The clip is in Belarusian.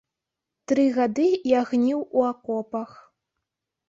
Тры гады я гніў у акопах.